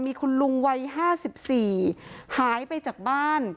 มีคุณลุงวัยห้าสิบสี่หายไปจากบ้าน